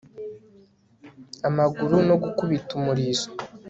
amaguru no gukubita umurizo